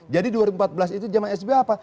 jadi dua ribu empat belas itu zaman sbi apa